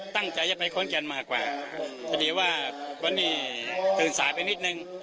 ตั้งใจจะไปขอนแก่นมากกว่าพอดีว่าวันนี้ตื่นสายไปนิดนึง